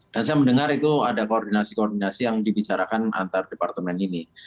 dan saya mendengar itu ada koordinasi koordinasi yang dibicarakan antar departemen ini